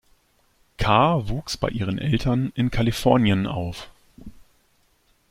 Karr wuchs bei ihren Eltern in Kalifornien auf.